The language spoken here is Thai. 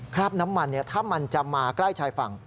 คราบน้ำมันถ้ามันจะมาใกล้ชายฝั่ง